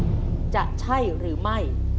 ว่าจะใช่หรือไม่